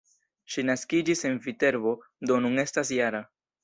Li naskiĝis en Viterbo, do nun estas -jara.